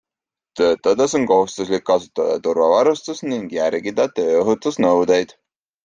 Töötades on kohustuslik kasutada turvavarustust ning järgida tööohutusnõudeid.